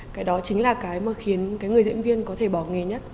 cái đó chính là cái mà khiến cái người diễn viên có thể bỏ nghề nhất